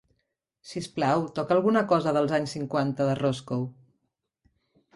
Si us plau, toca alguna cosa dels anys cinquanta de Roscoe